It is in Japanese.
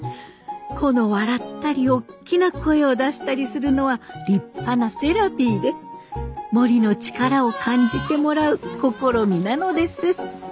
この笑ったり大きな声を出したりするのは立派なセラピーで森の力を感じてもらう試みなのです。